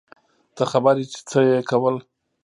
ته خبر يې چې څه يې کول.